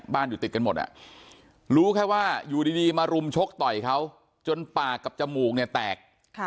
อยู่ติดกันหมดรู้แค่ว่าอยู่ดีมารุมชกต่อยเขาจนปากกับจมูกเนี่ยแตก